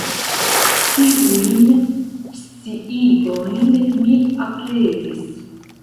Tiujn sciigojn mi aprezis.